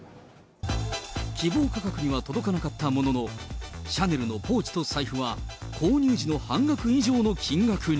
希望価格には届かなかったものの、シャネルのポーチと財布は購入時の半額以上の金額に。